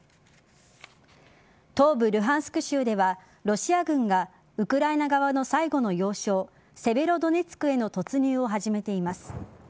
東部・ルハンスク州ではロシア軍がウクライナ側の最後の要衝セベロドネツクへの突入を始めています。